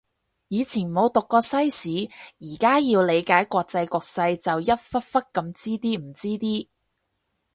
以前冇讀過西史，而家要理解國際局勢就一忽忽噉知啲唔知啲